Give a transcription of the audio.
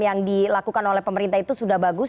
yang dilakukan oleh pemerintah itu sudah bagus